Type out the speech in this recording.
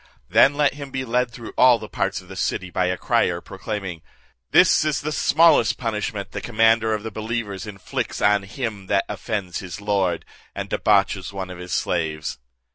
Then let him be led through all parts of the city by a crier, proclaiming, 'This is the smallest punishment the commander of the believers inflicts on him that offends his lord, and debauches one of his slaves.'